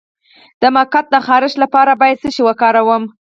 د مقعد د خارښ لپاره باید څه شی وکاروم؟